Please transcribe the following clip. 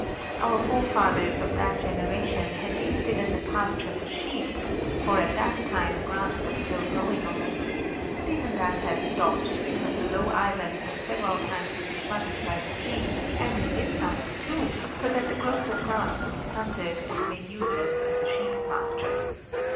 Our forefathers of that generation had used it as a pasture for sheep, for at that time grass was still growing on it; but even that had stopped, because the low island had several times been flooded by the sea, and in midsummer too, so that the growth of grass was stunted and made useless as a sheep pasture.